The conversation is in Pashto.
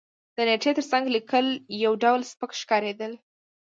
د نېټې تر څنګ لېکل یو ډول سپک ښکارېدل.